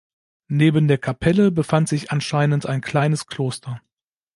Neben der Kapelle befand sich anscheinend ein kleines Kloster.